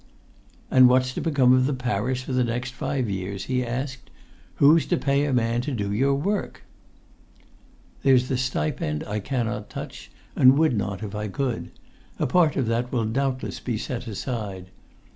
"And what's to become of the parish for the next five years?" he asked. "Who's to pay a man to do your work?" "There's the stipend I cannot touch and would not if I could; a part of that will doubtless be set aside.